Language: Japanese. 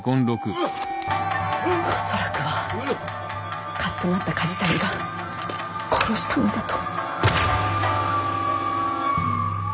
恐らくはカッとなった梶谷が殺したのだと。